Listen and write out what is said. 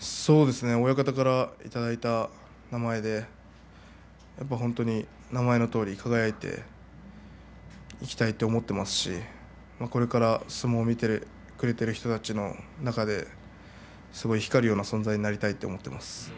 親方からいただいた名前でやっぱり本当に名前のとおり輝いていきたいと思っていますしこれから、相撲を見てくれている人たちの中ですごい光るような存在になりたいと思っています。